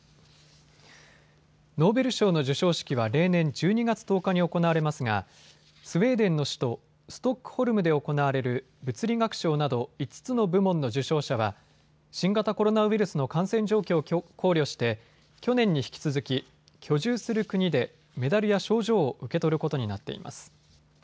ノーベル賞の授賞式は例年１２月１０日に行われますがスウェーデンの首都ストックホルムで行われる物理学賞など５つの部門の受賞者は新型コロナウイルスの感染状況を考慮して去年に引き続き居住する国でメダルや賞状を受け取ることになっています。